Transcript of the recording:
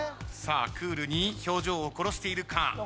さあクールに表情を殺しているか？